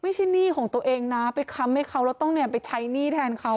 หนี้ของตัวเองนะไปค้ำให้เขาแล้วต้องไปใช้หนี้แทนเขา